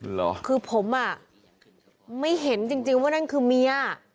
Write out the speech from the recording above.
เหรอคือผมอ่ะไม่เห็นจริงว่านั่นคือเมีย